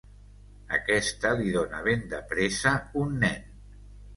Aquesta li dóna ben de pressa un nen.